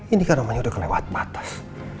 ini kan namanya udah kelewat batas